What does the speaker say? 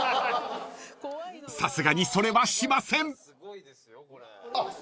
［さすがにそれはしません］